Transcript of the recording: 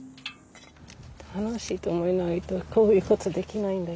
楽しいと思えないとこういう事できないんだよ。